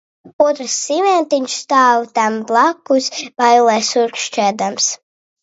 Otrs siventiņš stāv tam blakus bailēs urkšķēdams.